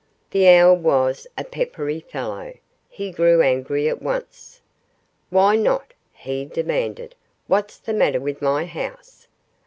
The owl was a peppery fellow. He grew angry at once. "Why not?" he demanded. "What's the matter with my house?"